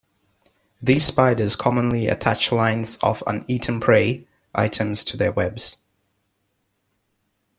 These spiders commonly attach lines of uneaten prey items to their webs.